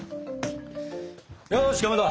よしかまど！